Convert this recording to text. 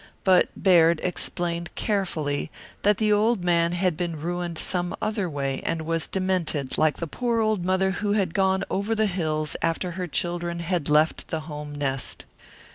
But Baird explained carefully that the old man had been ruined some other way, and was demented, like the poor old mother who had gone over the hills after her children had left the home nest.